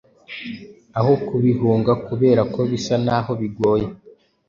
aho kubihunga kubera ko bisa n’aho bigoye.